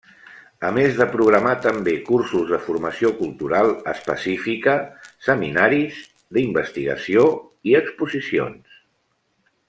A més de programar també cursos de formació cultural específica, seminaris d'investigació i exposicions.